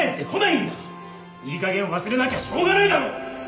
いい加減忘れなきゃしょうがないだろ！